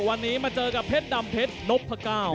วันนี้มาเจอกับเพชรดำเพชรนพก้าว